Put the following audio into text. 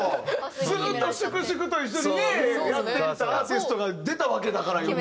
ずっと粛々と一緒にやってきたアーティストが出たわけだから世に。